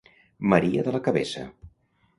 Maria de la Cabeça.